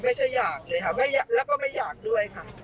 ไม่ใช่อยากเลยค่ะแล้วก็ไม่อยากด้วยค่ะ